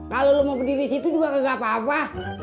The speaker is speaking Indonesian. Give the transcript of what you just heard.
kalau lo mau berdiri di situ juga gak apa apa